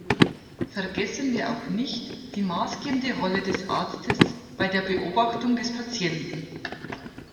Vergessen wir auch nicht die maßgebende Rolle des Arztes bei der Beobachtung des Patienten.